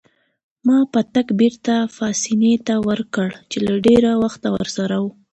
ما پتک بیرته پاسیني ته ورکړ چې له ډیر وخته ورسره وو.